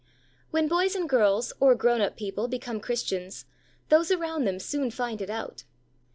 When boys and girls or grown up people become Christians, those around them soon find it out.